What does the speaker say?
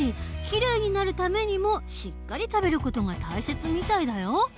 きれいになるためにもしっかり食べる事が大切みたいだよ。